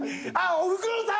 「おふくろさん」！